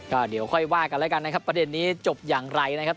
ก็เดี๋ยวค่อยว่ากันแล้วกันนะครับประเด็นนี้จบอย่างไรนะครับ